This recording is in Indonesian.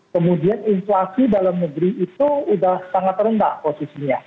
kemudian inflasi dalam negeri itu sudah sangat rendah posisinya